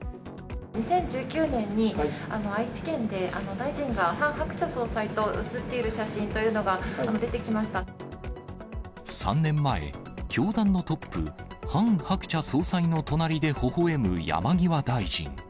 ２０１９年に、愛知県で大臣がハン・ハクチャ総裁と写っている写真というのが出３年前、教団のトップ、ハン・ハクチャ総裁の隣でほほえむ山際大臣。